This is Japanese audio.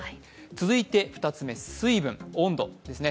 続いて２つ目、水分と温度ですね。